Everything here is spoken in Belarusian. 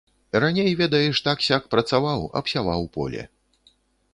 Раней, ведаеш, так-сяк працаваў, абсяваў поле.